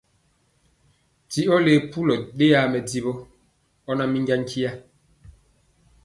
Ti ɔ le pulɔ ɗeyaa mɛdivɔ, ɔ na minja nkya.